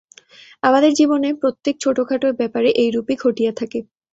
আমাদের জীবনে প্রত্যেক ছোটখাট ব্যাপারে এইরূপই ঘটিয়া থাকে।